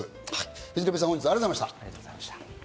藤波さん、本日はありがとうございました。